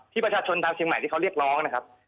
ประชาชนชาวเชียงใหม่ที่เขาเรียกร้องนะครับ